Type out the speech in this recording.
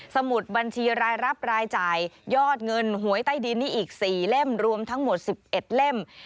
สมุดบัญชีรายรับรายจ่ายยอดเงินหวยใต้ดินนี่อีก๔เล่มรวมทั้งหมด๑๑เล่ม